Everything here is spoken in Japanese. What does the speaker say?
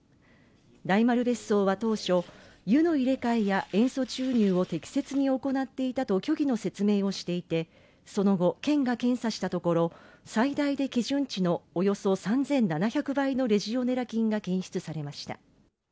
大丸別荘は当初、湯の入れ替えや塩素注入を適切に行っていたと虚偽の説明をしていて、その後、県が検査したところ、最大で基準値のおよそ３７００倍のレジオネラ菌が検出されました。